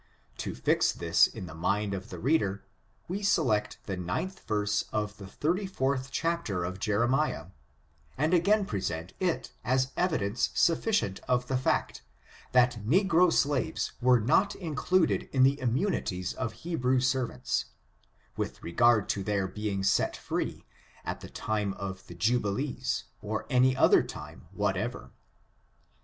To fix this on the mind of the reader, we select the ninth verse of the thirty fourth chapter of Jeremiah, and again present it as evidence suffieierU of the fact, that negro slaves were not in cluded in the immunities of Hebrew servants, with regard to their being set free at the time of the Jubi lees, or any other time whatever.